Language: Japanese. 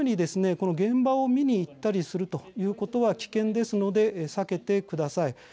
この現場を見に行ったりするということは危険ですので避けてください。